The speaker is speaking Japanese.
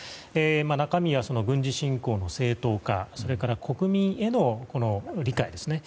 中身は軍事侵攻の正当化それから国民への理解ですね。